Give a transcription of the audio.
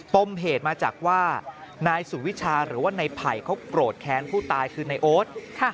ปมเหตุมาจากว่านายสุวิชาหรือว่าในไผ่เขาโกรธแค้นผู้ตายคือในโอ๊ต